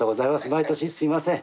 毎年すいません。